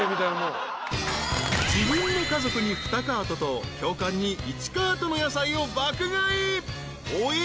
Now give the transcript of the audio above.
［自分の家族に２カートと教官に１カートの野菜を爆買い。